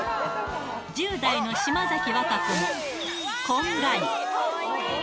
１０代の島崎和歌子もこんがり。